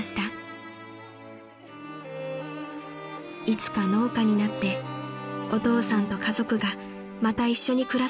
［いつか農家になってお父さんと家族がまた一緒に暮らす場所をつくること］